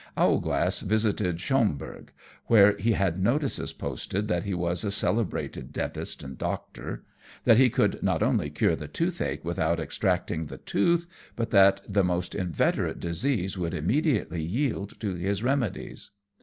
_ Owlglass visited Schomberg, where he had notices posted that he was a celebrated dentist and doctor; that he could not only cure the toothache without extracting the tooth, but that the most inveterate disease would immediately yield to his remedies.